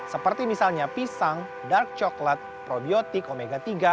seperti misalnya pisang dark coklat probiotik omega tiga